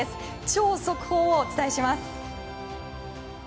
超速報をお伝えします。